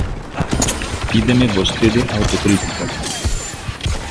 Pídeme vostede autocrítica.